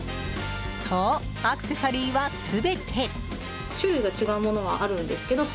そう、アクセサリーは全て。